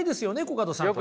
コカドさん。